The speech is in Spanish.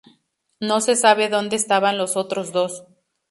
No se sabe donde estaban los otros dos.